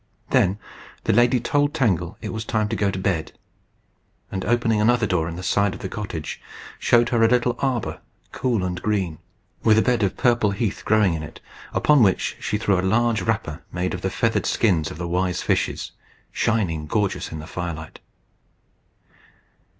Then the lady told Tangle it was time to go to bed; and, opening another door in the side of the cottage, showed her a little arbour, cool and green, with a bed of purple heath growing in it, upon which she threw a large wrapper made of the feathered skins of the wise fishes, shining gorgeous in the firelight.